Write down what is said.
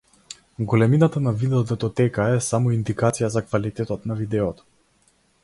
Големината на видео датотека е само индикација за квалитетот на видеото.